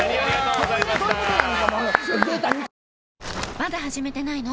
まだ始めてないの？